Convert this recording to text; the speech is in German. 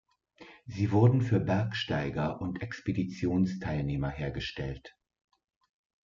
Sie wurden für Bergsteiger und Expeditionsteilnehmer hergestellt.